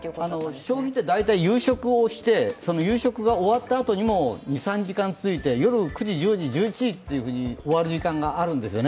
将棋って大体夕食をしてその夕食が終わったあとにも２３時間続いて、夜９時、１１時と終わる時間があるんですよね。